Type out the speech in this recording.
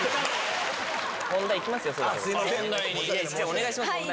お願いします。